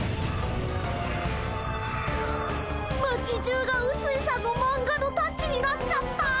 町じゅうがうすいさんのマンガのタッチになっちゃった。